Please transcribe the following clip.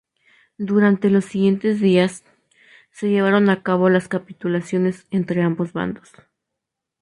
Durante los siguientes días, se llevaron a cabo las capitulaciones entre ambos bandos.